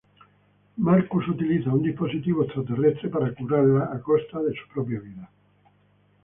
Marcus utiliza un dispositivo extraterrestre para curarla a costa de su propia vida.